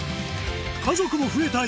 家族も増えた